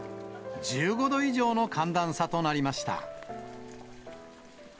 １５度以上の寒暖差となりました。